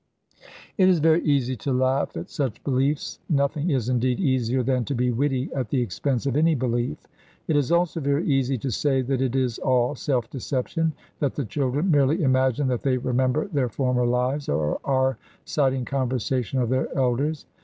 It is very easy to laugh at such beliefs; nothing is, indeed, easier than to be witty at the expense of any belief. It is also very easy to say that it is all self deception, that the children merely imagine that they remember their former lives, or are citing conversation of their elders.